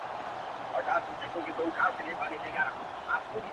ه ياره ځوانيمرگ شې مړ شې لولپه شې;